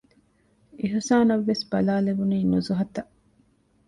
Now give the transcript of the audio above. އިޙުސާނަށް ވެސް ބަލާލެވުނީ ނުޒުހަތަށް